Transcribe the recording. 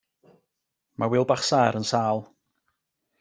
Mae Wil Bach Saer yn sâl.